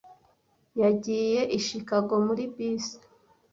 Yagiye i Chicago muri bisi.